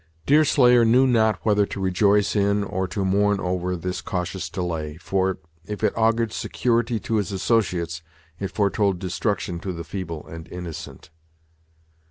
Deerslayer knew not whether to rejoice in or to mourn over this cautious delay, for, if it augured security to his associates, it foretold destruction to the feeble and innocent.